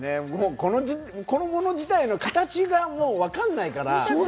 この物自体の形がもうわかんないから。